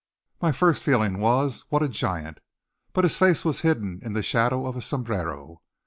My first feeling was, What a giant! But his face was hidden in the shadow of a sombrero.